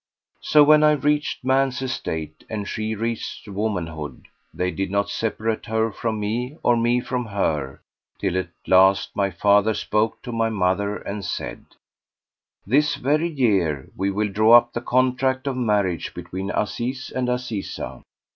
So when I reached man's estate and she reached womanhood, they did not separate her from me or me from her, till at last my father spoke to my mother and said, "This very year we will draw up the contract of marriage between Aziz and Azizah."